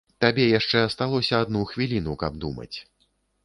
Табе яшчэ асталося адну хвіліну, каб думаць.